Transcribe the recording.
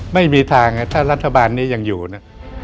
ไม่มีทางถ้ารัฐบาลนี้ยังอยู่นะ